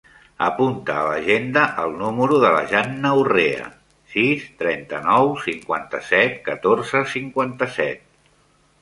Apunta a l'agenda el número de la Janna Urrea: sis, trenta-nou, cinquanta-set, catorze, cinquanta-set.